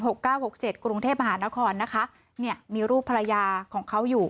เก้าหกเจ็ดกรุงเทพมหานครนะคะเนี่ยมีรูปภรรยาของเขาอยู่